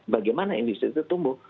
bagaimana industri itu tumbuh